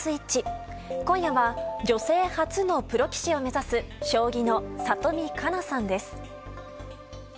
今夜は女性初のプロ棋士を目指す将棋の里見香奈さんです。